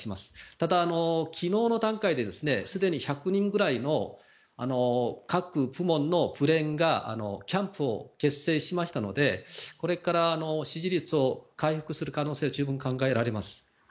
ただ、昨日の段階ですでに１００人ぐらいの各部門のブレーンがキャンプを結成しましたのでこれから支持率を回復する可能性は十分考えられます。